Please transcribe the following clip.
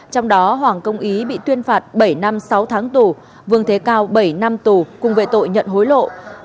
trong đó hoàng công ý bị tuyên phạt bảy năm sáu tháng tù vương thế cao bảy năm tù cùng về tội nhận hối lộ